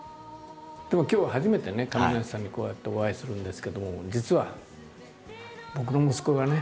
でも今日は初めてね亀梨さんにこうやってお会いするんですけども実は僕の息子がね